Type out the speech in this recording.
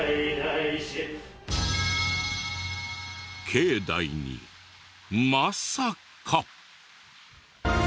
境内にまさか！